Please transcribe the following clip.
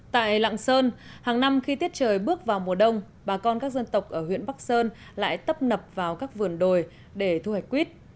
tại lạng sơn hàng năm khi tiết trời bước vào mùa đông bà con các dân tộc ở huyện bắc sơn lại tấp nập vào các vườn đồi để thu hoạch quýt